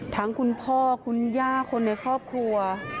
คุณพ่อคุณย่าคนในครอบครัว